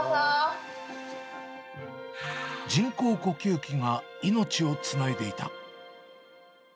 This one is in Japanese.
人工呼吸器が命をつないでいた。